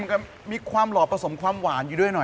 กลัวแว่นจะตกกลางทางก่อน